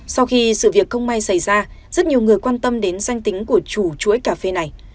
sau khi sự việc không may xảy ra rất nhiều người quan tâm đến danh tính của chủ chuỗi cà phê này